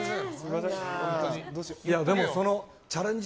でもそのチャレンジ